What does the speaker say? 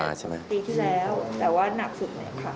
ตั้งแต่ตีที่แล้วแต่ว่านักสุดค่ะ